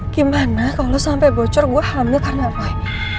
gimana kalau sampai bocor gue hamil karena roy